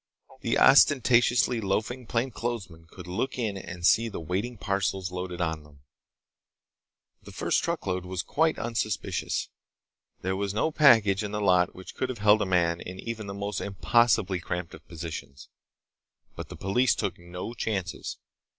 The ostentatiously loafing plainclothesmen could look in and see the waiting parcels loaded on them. The first truckload was quite unsuspicious. There was no package in the lot which could have held a man in even the most impossibly cramped of positions. But the police took no chances.